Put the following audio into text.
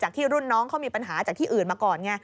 ที่รุ่นน้องเขามีปัญหาจากที่อื่นมาก่อนไง